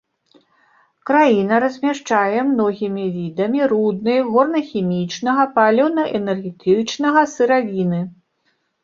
Краіна размяшчае многімі відамі руднай, горна-хімічнага, паліўна-энергетычнага сыравіны.